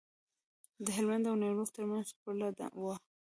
د هلمند او نیمروز ترمنځ پوله وه.